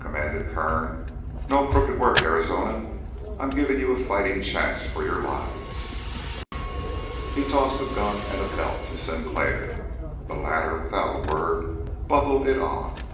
commanded Kern. "No crooked work, Arizona. I'm giving you a fighting chance for your lives." Here he tossed a gun and belt to Sinclair. The latter without a word buckled it on.